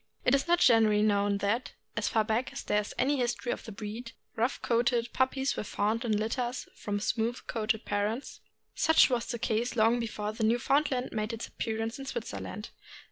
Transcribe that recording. It is not generally known that, as far back as there is any history of the breed, rough coaled puppies were found in litters from smooth coated parents. Such was the case long before the Newfoundland made its appearance in Switzerland.